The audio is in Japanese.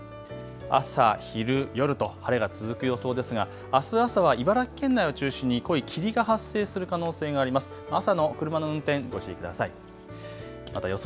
朝昼夜と晴れが続く予想ですが、あす朝は茨城県内を中心に濃い霧が発生する可能性があります。